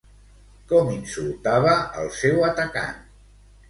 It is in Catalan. Com insultava al seu atacant?